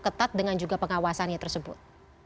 ketat dengan juga pengawasannya tersebut